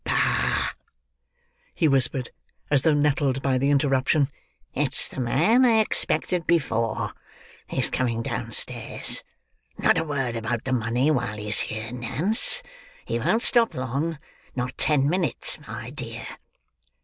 "Bah!" he whispered, as though nettled by the interruption; "it's the man I expected before; he's coming downstairs. Not a word about the money while he's here, Nance. He won't stop long. Not ten minutes, my dear."